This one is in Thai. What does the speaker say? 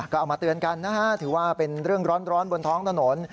ก็เอามาเตือนกันนะฮะถือว่าเป็นเรื่องร้อนบนท้องถนน